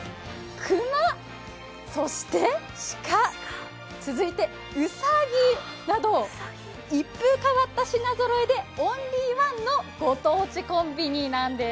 くま、そして、しか、続いてうさぎなど一風変わった品ぞろえでオンリーワンのご当地コンビニなんです。